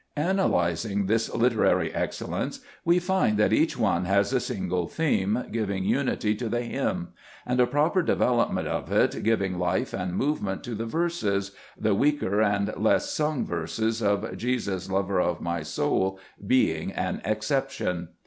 Analyzing this literary excellence, we find that each one has a single theme, giving unity to the hymn ; and a proper development of it, giving life and movement to the verses (the weaker and less sung verses of "Jesus, Lover of my soul " being an exception).